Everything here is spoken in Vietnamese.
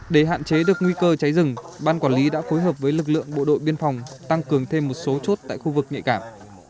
để hạn chế được nguy cơ cháy rừng ban quản lý đã phối hợp với lực lượng bộ đội biên phòng tăng cường thêm một số chốt tại khu vực nhạy cảm